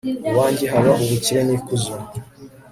iwanjye haba ubukire n'ikuzo